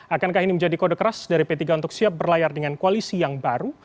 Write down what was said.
akankah ini menjadi kode keras dari p tiga untuk siap berlayar dengan koalisi yang baru